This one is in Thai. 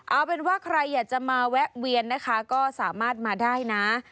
เอาเป็นว่าใครอยากจะมาแวะเวียนนะคะก็สามารถมาได้นะ